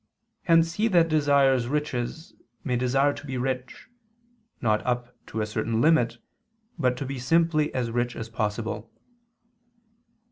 Hence he that desires riches, may desire to be rich, not up to a certain limit, but to be simply as rich as possible.